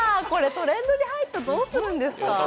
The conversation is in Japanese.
これトレンドに入ったらどうするんですか？